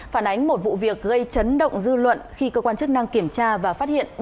phản ánh một vụ việc gây chấn động dư luận khi cơ quan chức năng kiểm tra và phát hiện